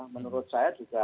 menurut saya juga